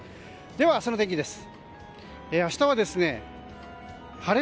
では明日の天気です。